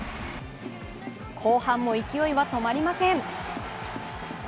後半も勢いは止まりません。